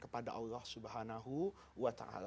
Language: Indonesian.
pada allah swt